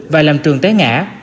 và làm trường té ngã